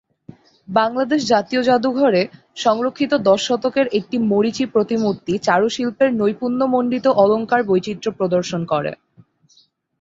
বাংলাদেশ জাতীয় জাদুঘরএ সংরক্ষিত দশ শতকের একটি মারীচী প্রতিমূর্তি চারুশিল্পের নৈপুণ্যমন্ডিত অলঙ্কারবৈচিত্র্য প্রদর্শন করে।